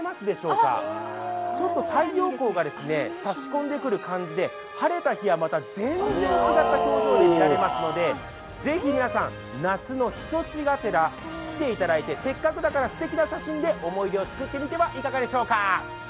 ちょっと太陽光が差し込んでくる感じで晴れた日はまた全然違った表情が見られますのでぜひ皆さん、夏の避暑地がてら来ていただいてせっかくだからすてきな写真で思い出を作ってみてはいかがでしょうか？